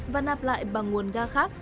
và nạp lại bằng nguồn ga khác